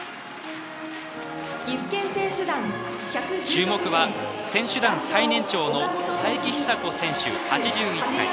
注目は選手団最年長の佐伯久子選手、８１歳。